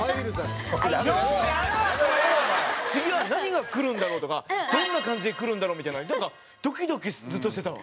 次は何がくるんだろう？とかどんな感じでくるんだろう？みたいなドキドキずっとしてたわ。